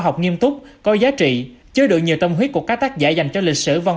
học nghiêm túc coi giá trị chơi đựng nhiều tâm huyết của các tác giả dành cho lịch sử văn